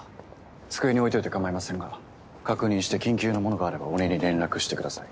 机に置いといて構いませんが確認して緊急のものがあれば俺に連絡してください。